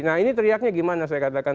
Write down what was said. nah ini teriaknya gimana saya katakan